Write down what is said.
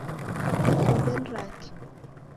Sombe ni rake